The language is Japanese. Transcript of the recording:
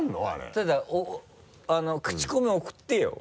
ただクチコミ送ってよ？